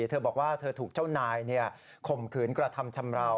เธอบอกว่าเธอถูกเจ้านายข่มขืนกระทำชำราว